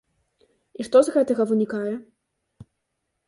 І што з гэтага вынікае?